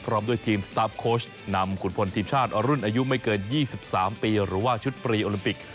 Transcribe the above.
พร้อมด้วยทีมสตาร์ฟโค้ชนำขุนพลทีมชาติรุ่นอายุไม่เกิน๒๓ปีหรือว่าชุดปรีโอลิมปิก